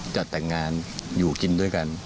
จัดแต่งงานอยู่กินด้วยกัน